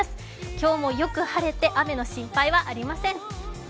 今日もよく晴れて雨の心配はありません。